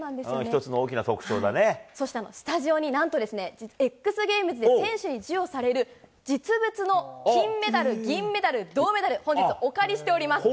一つの大きなそしてスタジオに、なんとエックスゲームズで選手に授与される実物の金メダル、銀メダル、銅メダル、本日、お借りしております。